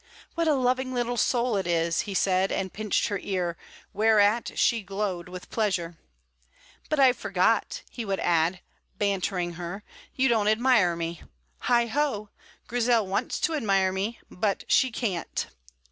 "What a loving little soul it is!" he said, and pinched her ear, whereat she glowed with pleasure. "But I forgot," he would add, bantering her; "you don't admire me. Heigh ho! Grizel wants to admire me, but she can't!"